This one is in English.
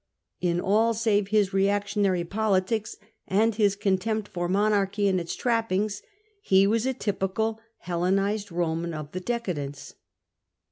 In all save his reactionary politics and his contempt for monarchy and its trappings, he was a typical Hellenized Roman of the decadence.